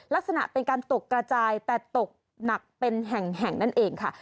ลักษณะเป็นการตกกระจายแต่ตกหนักเป็นแห่งนั่นเองค่ะ